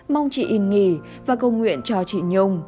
mong chị yên nghỉ và cầu nguyện cho chị nhung